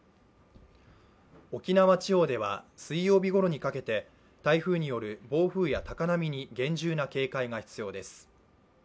沖縄地方では水曜日ごろにかけて台風による暴風や高波に厳重な警戒が必要です。